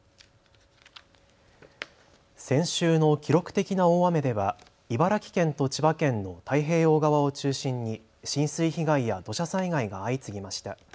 先週の記録的な大雨では茨城県と千葉県の太平洋側を中心に浸水被害や土砂災害が相次ぎました。